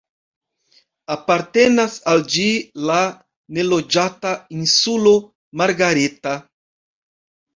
Apartenas al ĝi la neloĝata Insulo Margareta.